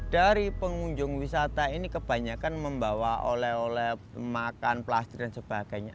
dari pengunjung wisata ini kebanyakan membawa oleh oleh makan plastik dan sebagainya